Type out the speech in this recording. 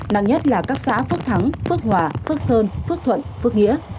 năng nhất là các xã phước thắng phước hòa phước sơn phước thuận phước nghĩa